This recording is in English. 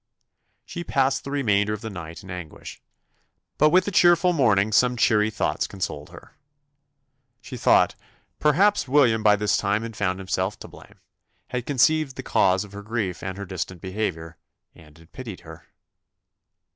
She passed the remainder of the night in anguish: but with the cheerful morning some cheery thoughts consoled her. She thought "perhaps William by this time had found himself to blame; had conceived the cause of her grief and her distant behaviour, and had pitied her."